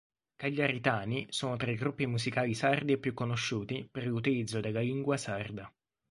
Cagliaritani, sono tra i gruppi musicali sardi più conosciuti per l'utilizzo della lingua sarda.